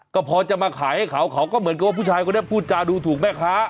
ก็พอจะมาขายให้เขาเขาก็เหมือนกับว่าผู้ชายคนนี้พูดจาดูถูกแม่ค้า